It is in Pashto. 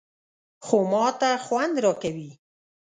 _خو ماته خوند راکوي.